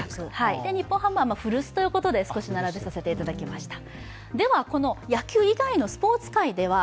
日本ハムは古巣ということで並べさせていただきました。